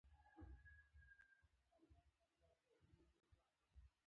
سادهګي د باهدفه انسان تګلاره ده.